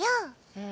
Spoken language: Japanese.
ええ？